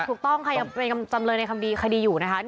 ถูกต้องค่ะยังเป็นจำเลยในคำดีคดีอยู่นะคะ